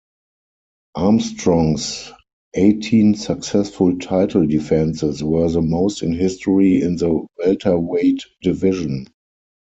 Armstrong's eighteen successful title defenses were the most in history in the Welterweight division.